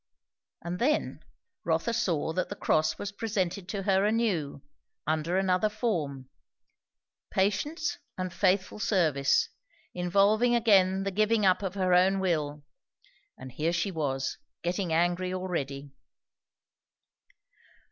And then Rotha saw that the cross was presented to her anew, under another form. Patience, and faithful service, involving again the giving up of her own will. And here she was, getting angry already.